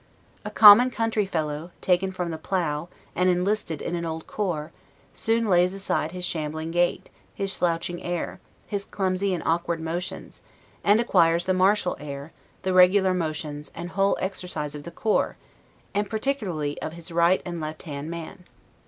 A common country fellow, taken from the plow, and enlisted in an old corps, soon lays aside his shambling gait, his slouching air, his clumsy and awkward motions: and acquires the martial air, the regular motions, and whole exercise of the corps, and particularly of his right and left hand man.